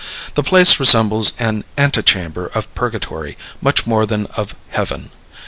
The place resembles an antechamber of Purgatory much more than of Heaven.